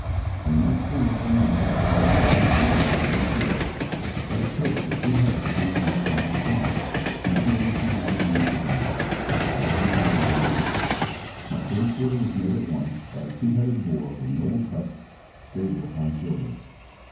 And the next thing which I mentioned possessing absolute certainty, to wit, that a pig with two heads had been born upon our farm, not more than two hundred years agone (although he died within a week), my third quarter was made at once, by a two headed boar with noble tusks, sable upon silver.